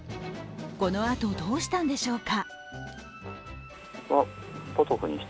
このあと、どうしたんでしょうか？